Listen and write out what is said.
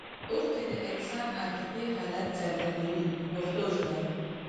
اوښکې د انسان عاطفي حالت څرګندوي په پښتو ژبه.